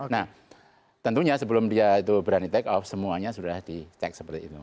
nah tentunya sebelum dia itu berani take off semuanya sudah dicek seperti itu